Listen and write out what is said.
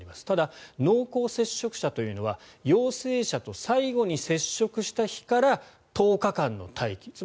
ただ、濃厚接触者というのは陽性者と最後に接触した日から１０日間の待機。